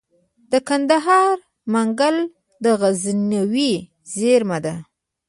د کندهار منگل د غزنوي زیرمه ده